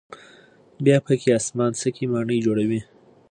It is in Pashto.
بیا پکې آسمانڅکې ماڼۍ جوړوي.